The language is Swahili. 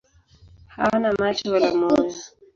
Hawana macho wala moyo.